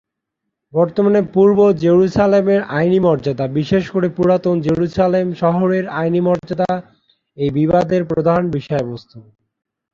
বর্তমানে পূর্ব জেরুসালেমের আইনি মর্যাদা, বিশেষ করে পুরাতন জেরুসালেম শহরের আইনি মর্যাদা এই বিবাদের প্রধান বিষয়বস্তু।